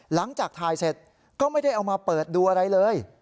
หลังจากถ่ายเสร็จก็ไม่ได้เอามาเปิดดูอะไรเลย